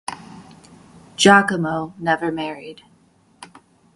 Giacomo never married.